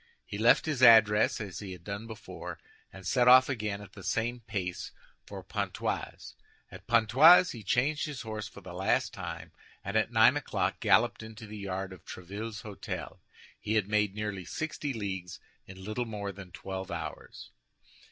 He left his address as he had done before, and set off again at the same pace for Pontoise. At Pontoise he changed his horse for the last time, and at nine o'clock galloped into the yard of Tréville's hôtel. He had made nearly sixty leagues in little more than twelve hours.